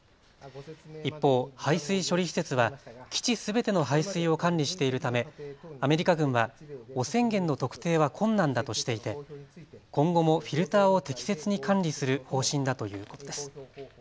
一方、排水処理施設は基地すべての排水を管理しているためアメリカ軍は汚染源の特定は困難だとしていて今後もフィルターを適切に管理する方針だということです。